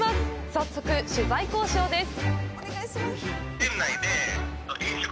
早速、取材交渉です。